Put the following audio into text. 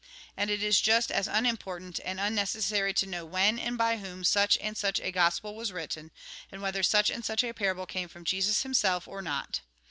And it is just as unimportant and unnecessary to know when and by whom such and such a Gospel was written, and whether such and such a parable came from Jesus himself or not.